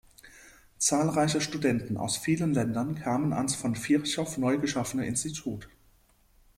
Zahlreiche Studenten aus vielen Ländern kamen ans von Virchow neugeschaffene Institut.